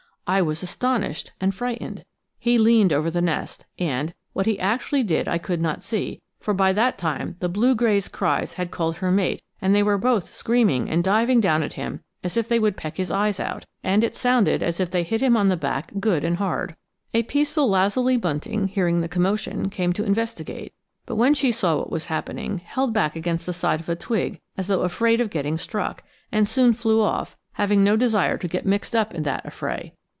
I was astonished and frightened. He leaned over the nest, and what he actually did I could not see, for by that time the blue gray's cries had called her mate and they were both screaming and diving down at him as if they would peck his eyes out; and it sounded as if they hit him on the back good and hard. A peaceful lazuli bunting, hearing the commotion, came to investigate, but when she saw what was happening held back against the side of a twig as though afraid of getting struck, and soon flew off, having no desire to get mixed up in that affray.